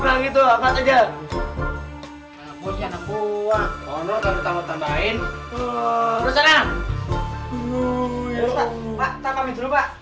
pak pak pak pamit dulu pak